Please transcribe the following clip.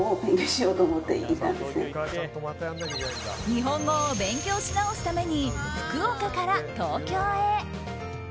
日本語を勉強しなおすために福岡から東京へ。